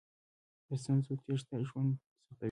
له ستونزو تېښته ژوند سختوي.